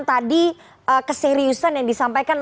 tadi keseriusan yang disampaikan